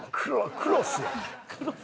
「クロス」やん。